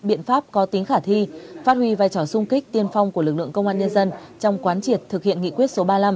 biện pháp có tính khả thi phát huy vai trò sung kích tiên phong của lực lượng công an nhân dân trong quán triệt thực hiện nghị quyết số ba mươi năm